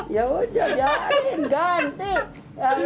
ya sudah ya ganti